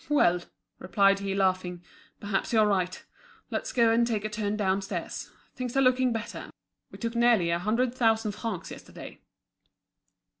"Well!" replied he, laughing, "perhaps you're right. Let's go and take a turn down stairs. Things are looking better, we took nearly a hundred thousand francs yesterday."